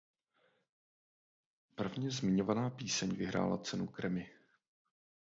Prvně zmiňovaná píseň vyhrála cenu Grammy.